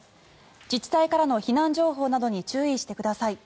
自治体からの避難情報などに注意してください。